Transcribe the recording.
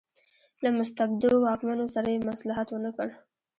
له مستبدو واکمنو سره یې مصلحت ونکړ.